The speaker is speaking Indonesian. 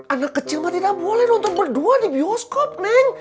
anak kecil mah tidak boleh nuntung berdua di bioskop nih